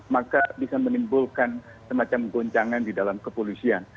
maka bisa menimbulkan semacam goncangan di dalam kepolisian